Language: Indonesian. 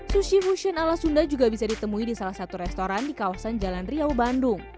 sushi fusion ala sunda juga bisa ditemui di salah satu restoran di kawasan cibiru